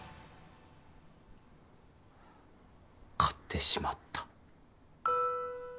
買ってしまった。